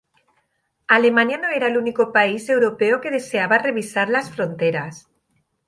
Alemania no era el único país europeo que deseaba revisar las fronteras.